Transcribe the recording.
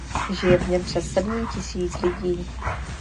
Žije v něm přes sedm tisíc lidí.